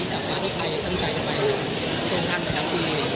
ก็ประมาณนี้สัก๒๐อย่าง